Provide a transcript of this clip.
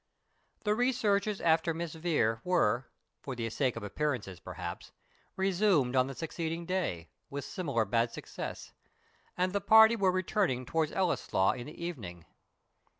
The researches after Miss Vere were (for the sake of appearances, perhaps) resumed on the succeeding day, with similar bad success, and the party were returning towards Ellieslaw in the evening.